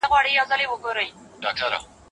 فارابي د چاپېریال په اغېز باور درلود.